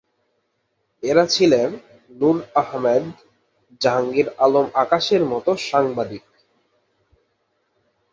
এরা ছিলেন নূর আহমেদ, জাহাঙ্গীর আলম আকাশের মতো সাংবাদিক।